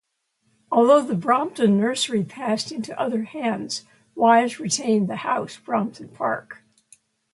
Although the Brompton nursery passed into other hands, Wise retained the house, Brompton Park.